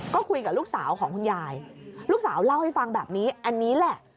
ก็คุยกับลูกสาวของคุณยายลูกสาวเล่าให้ฟังแบบนี้อันนี้แหละ